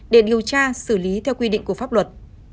để điều tra xử lý theo quy định của pháp luật